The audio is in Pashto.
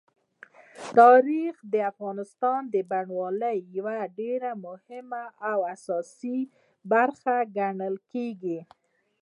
تاریخ د افغانستان د بڼوالۍ یوه ډېره مهمه او اساسي برخه ګڼل کېږي.